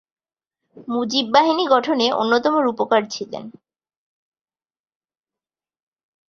মুজিব বাহিনী গঠনে অন্যতম রূপকার ছিলেন।